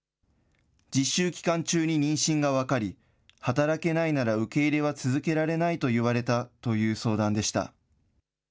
実習期間中に妊娠が分かり、働けないなら受け入れは続けられないと言われたという相談でした。